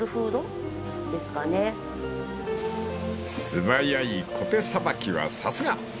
［素早いコテさばきはさすが！］